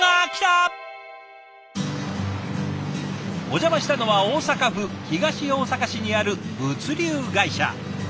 お邪魔したのは大阪府東大阪市にある物流会社。